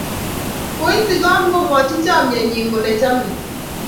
koitigon komwochi chamanenyi kole chamei